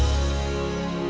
tunggu papa dulu